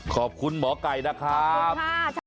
ขอบคุณหมอไก่นะครับ